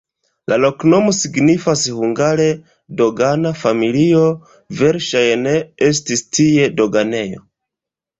La loknomo signifas hungare "dogana-familio", verŝajne estis tie doganejo.